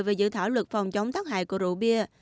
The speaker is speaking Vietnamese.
về giữ thỏa lực phòng chống tác hại của rượu bia